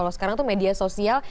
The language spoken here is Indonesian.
kalau sekarang itu media sosial